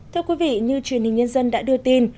thưa quý vị như truyền hình nhân dân đã đưa tin